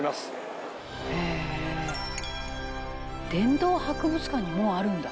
「殿堂博物館にもうあるんだ」